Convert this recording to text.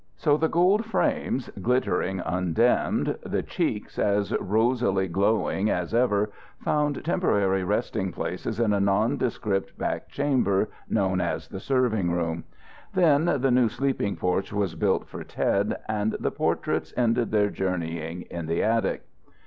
So the gold frames, glittering undimmed, the checks as rosily glowing as ever, found temporary resting places in a nondescript back chamber known as the serving room. Then the new sleeping porch was built for Ted, and the portraits ended their journeying in the attic.